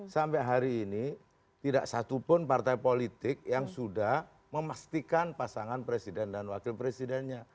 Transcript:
sampai hari ini tidak satupun partai politik yang sudah memastikan pasangan presiden dan wakil presidennya